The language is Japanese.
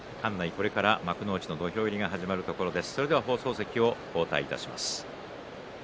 これから幕内の土俵入りが始まるところです。